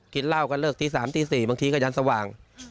กินเหล้าก็เลิกตี๓ตี๔บางทีก็ยันสว่าง